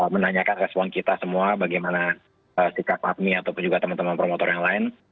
menanyakan respon kita semua bagaimana sikap apmi ataupun juga teman teman promotor yang lain